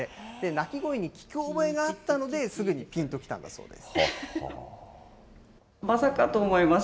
鳴き声に聞き覚えがあったので、すぐにぴんときたんだそうです。